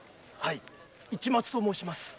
市松と申します。